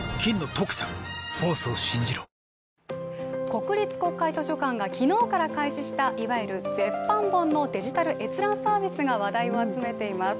国立国会図書館が昨日から開始した、いわゆる絶版本のデジタル閲覧サービスが話題を集めています。